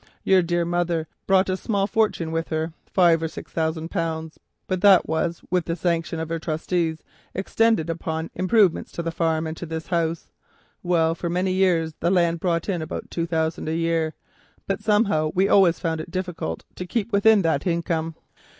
Your dear mother brought a small fortune with her, five or six thousand pounds, but that, with the sanction of her trustees, was expended upon improvements to the farms and in paying off a small mortgage. Well, for many years the land brought in about two thousand a year, but somehow we always found it difficult to keep within that income.